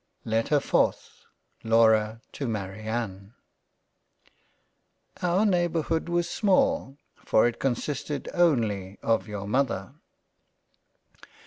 LETTER 4th LAURA to MARIANNE OUR neighbourhood was small, for it consisted only of your Mother.